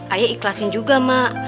ayah ikhlasin juga mak